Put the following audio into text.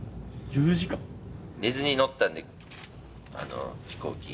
寝ずに乗ったんで、飛行機。